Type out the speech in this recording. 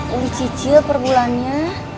wuli cicil perbulannya